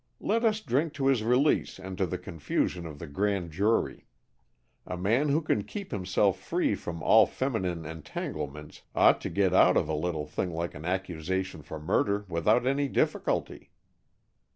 Let us drink to his release and to the confusion of the Grand Jury. A man who can keep himself free from all feminine entanglements ought to get out of a little thing like an accusation for murder without any difficulty."